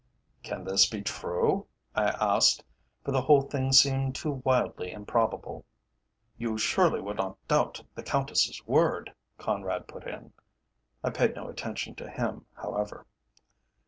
"Can this be true?" I asked, for the whole thing seemed too wildly improbable. "You surely would not doubt the Countess's word," Conrad put in. I paid no attention to him, however.